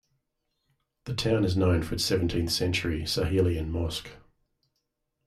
The town is known for its seventeenth century Sahelian mosque.